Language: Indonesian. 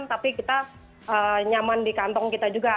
tapi kita nyaman di kantong kita juga